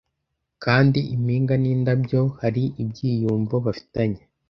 Kandi impinga nindabyo hari ibyiyumvo bafitanye,